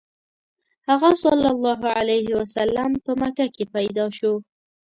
هغه ﷺ په مکه کې پیدا شو.